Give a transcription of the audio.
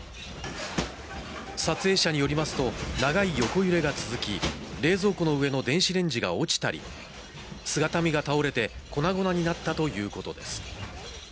撮影者によりますと長い横揺れが続き、冷蔵庫の上の電子レンジが落ちたり、姿見が倒れて粉々になったということです。